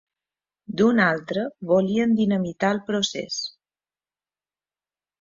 D'una altra volien dinamitar el procés.